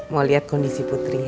mau liat kondisi putri ya